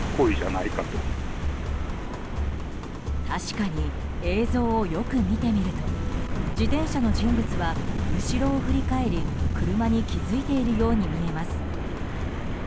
確かに、映像をよく見てみると自転車の人物は後ろを振り返り車に気付いているように見えます。